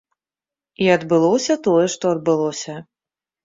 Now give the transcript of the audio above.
І адбылося тое, што адбылося.